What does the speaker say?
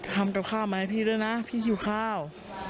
ทำกับข้าวมาให้พี่ด้วยนะพี่หิวข้าว